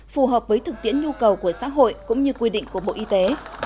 phù hợp với thực tiễn nhu cầu của xã hội cũng như quy định của bộ y tế